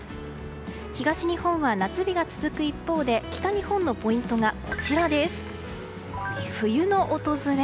東日本は夏日が続く一方で北日本のポイントが冬の訪れ。